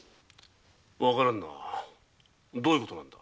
わからんなどういうことなんだ？